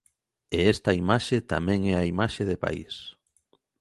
E esta imaxe tamén é a imaxe de país.